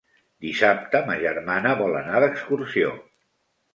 Dissabte ma germana vol anar d'excursió.